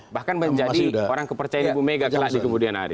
bahkan menjadi orang kepercayaan ibu mega kelasnya kemudian hari